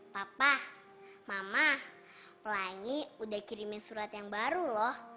papa mama pelangi udah kirimin surat yang baru loh